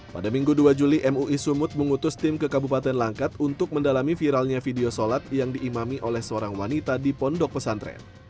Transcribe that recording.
pada minggu dua juli mui sumut mengutus tim ke kabupaten langkat untuk mendalami viralnya video sholat yang diimami oleh seorang wanita di pondok pesantren